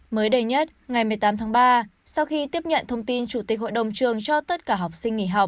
mới đây nhất ngày một mươi tám tháng ba sau khi tiếp nhận thông tin chủ tịch hội đồng trường cho tất cả các trường